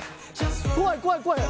怖い怖い怖い！